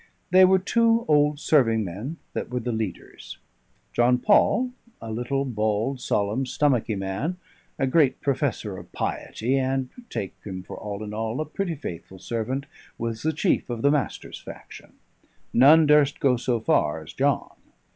They were two old serving men that were the leaders. John Paul, a little, bald, solemn, stomachy man, a great professor of piety and (take him for all in all) a pretty faithful servant, was the chief of the Master's faction. None durst go so far as John.